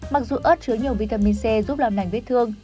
mặc dù ớt chứa nhiều vitamin c giúp làm ảnh vết thương